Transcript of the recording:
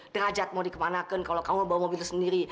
derajat mau dikepanakan kalo kamu bawa mobil sendiri